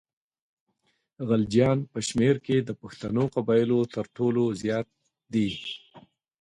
غلجیان په شمېر کې د پښتنو قبایلو تر ټولو زیات دي.